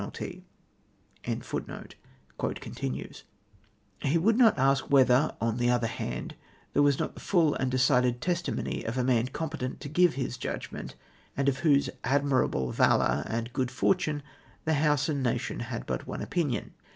* He would uot ask whether, on the other hand, there was not the full and decided testimony of a man competent to give his judgment, and of whose admirable valour and good fortune the House and the nation had but one opinion